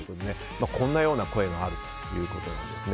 こんな声があるということです。